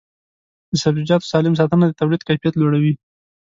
د سبزیجاتو سالم ساتنه د تولید کیفیت لوړوي.